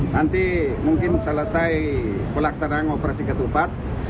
nanti mungkin selesai pelaksanaan operasi ketupat